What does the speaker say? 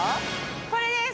これです。